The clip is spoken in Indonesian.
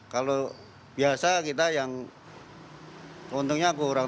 kalau biasa kita yang keuntungannya kurang